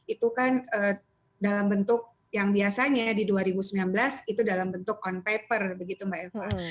itu kan dalam bentuk yang biasanya di dua ribu sembilan belas itu dalam bentuk on paper begitu mbak eva